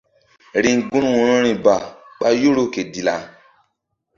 Riŋ gun wo̧rori ba ɓa yoro ke dilla.